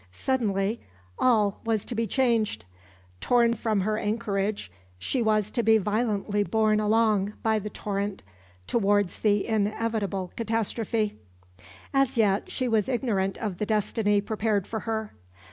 Suddenly all was to be changed. Torn from her anchorage, she was to be violently borne along by the torrent towards the inevitable catastrophe. As yet she was ignorant of the destiny prepared for her.